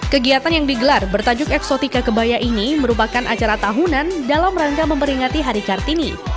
kegiatan yang digelar bertajuk eksotika kebaya ini merupakan acara tahunan dalam rangka memperingati hari kartini